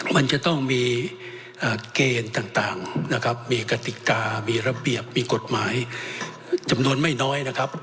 มันจะต้องมีเกณฑ์ต่างนะครับมีกติกามีระเบียบมีกฎหมายจำนวนไม่น้อยนะครับ